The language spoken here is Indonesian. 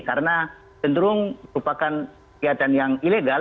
karena cenderung rupakan kegiatan yang ilegal